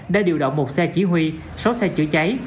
đã điều động một xe chỉ huy sáu xe chữa cháy